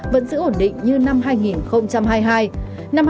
vẫn giữ ổn định như năm hai nghìn hai mươi hai